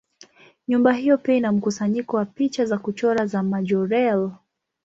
Nyumba hiyo pia ina mkusanyiko wa picha za kuchora za Majorelle.